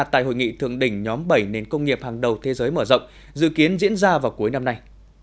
tại hội nghị thượng đỉnh nhóm bảy nền công nghiệp hàng đầu thế giới mở rộng dự kiến diễn ra vào cuối năm nay